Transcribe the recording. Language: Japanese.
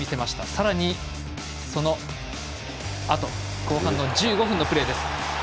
さらに、そのあと後半１５分のプレーです。